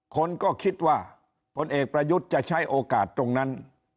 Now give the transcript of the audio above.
คนก็คิดว่าผลเอกประยุทธ์จะใช้โอกาสตรงนั้น